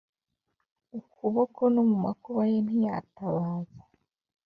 ukuboko No mu makuba ye ntiyatabaza